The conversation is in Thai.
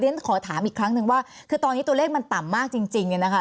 เพราะฉะนั้นขอถามอีกครั้งนึงว่าตอนนี้ตัวเลขมันต่ำมากจริงนะคะ